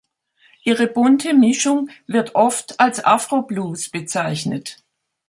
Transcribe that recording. Ihre bunte Mischung wird oft als „Afro-Blues“ bezeichnet.